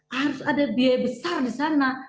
harus ada biaya besar di sana